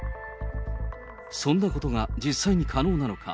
そんなことが実際に可能なのか。